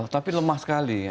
tapi lemah sekali